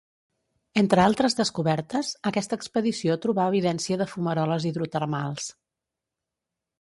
Entre altres descobertes, aquesta expedició trobà evidència de fumaroles hidrotermals.